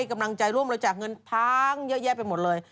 กำลังใจร่วมบริจาคเงินพังเยอะแยะไปหมดเลย